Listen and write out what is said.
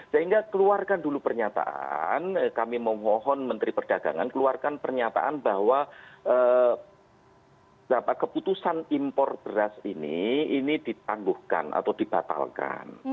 sehingga keluarkan dulu pernyataan kami memohon menteri perdagangan keluarkan pernyataan bahwa keputusan impor beras ini ini ditangguhkan atau dibatalkan